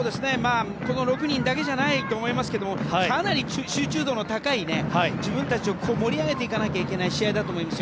この６人だけじゃないと思いますけどかなり集中度の高い自分たちを盛り上げていかないといけない試合だと思います。